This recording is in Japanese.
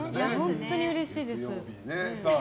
本当にうれしいです。